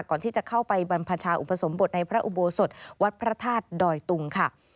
ก่อนที่จะเข้าไปบรรพชาอุปสมบทในพระอุโบสถวัดพระธาตุดอยตุงค่ะ